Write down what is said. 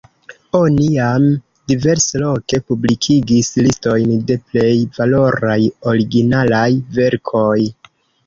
Oni jam diversloke publikigis listojn de plej valoraj originalaj verkoj.